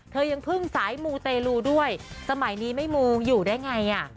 ยังพึ่งสายมูเตลูด้วยสมัยนี้ไม่มูอยู่ได้ไงอ่ะ